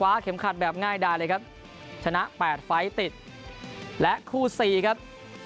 ก็ต้องผ่านทำขาดแบบง่ายดายเลยครับชนะ๘ไฟล์ติดและคู่๔ครับ